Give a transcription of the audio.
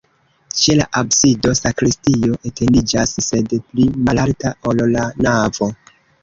Ĉe la absido sakristio etendiĝas, sed pli malalta, ol la navo.